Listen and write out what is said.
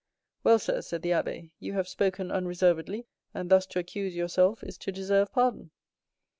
"Well, sir," said the abbé, "you have spoken unreservedly; and thus to accuse yourself is to deserve pardon."